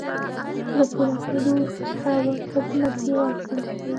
له پوره کېدو وروسته ورته ځمکې ورکړل شوې.